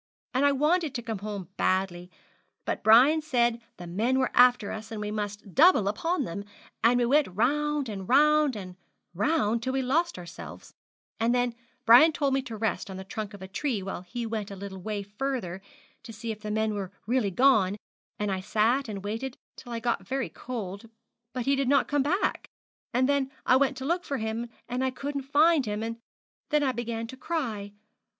And I wanted to come home badly; but Brian said the men were after us, and we must double upon them; and we went round and round and round till we lost ourselves; and then Brian told me to rest on the trunk of a tree while he went a little way further to see if the men were really gone; and I sat and waited till I got very cold, but he did not come back; and then I went to look for him, and couldn't find him; and then I began to cry.